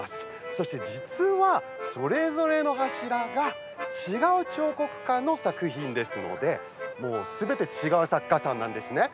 そして、実は、それぞれの柱が違う彫刻家の作品ですのですべて違う作家さんなんですね。